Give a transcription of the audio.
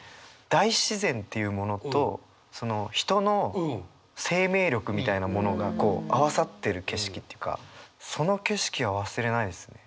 大自然というものと人の生命力みたいなものが合わさってる景色というかその景色は忘れないですね。